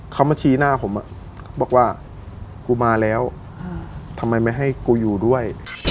เขามาชี้หน้าผมบอกว่ากูมาแล้วทำไมไม่ให้กูอยู่ด้วย